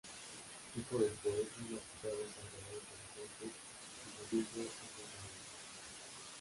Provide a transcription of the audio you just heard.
Hijo del poeta y magistrado Salvador Sanfuentes y de Matilde Andonaegui.